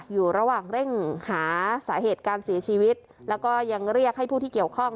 อยู่ระหว่างเร่งหาสาเหตุการเสียชีวิตแล้วก็ยังเรียกให้ผู้ที่เกี่ยวข้อง